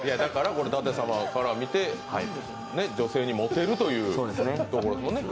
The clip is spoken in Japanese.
舘様から見て、女性にモテるということですもんね。